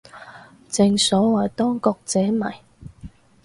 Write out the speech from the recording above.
正所謂當局者迷